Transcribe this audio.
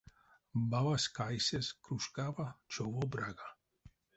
Бабась кайсесь кружкава човов брага.